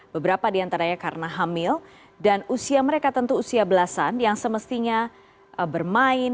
beberapa diantaranya karena hamil dan usia mereka tentu usia belasan yang semestinya bermain